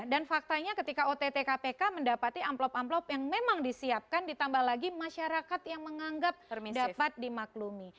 dan faktanya ketika ott kpk mendapati amplop amplop yang memang disiapkan ditambah lagi masyarakat yang menganggap dapat dimaklumi